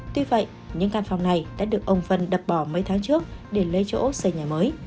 tuy vậy những căn phòng này đã được ông vân đập bỏ mấy tháng trước để lấy chỗ xây nhà mới